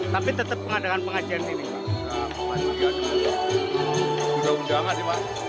tapi tetap mengadakan pengajian ini